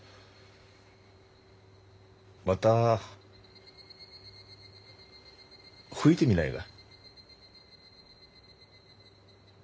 また吹いてみないが？